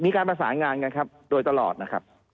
มีการประสานงานกันครับโดยตลอดนะครับ